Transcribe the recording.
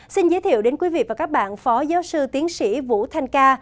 xin giới thiệu đến quý vị và các bạn phó giáo sư tiến sĩ vũ thanh ca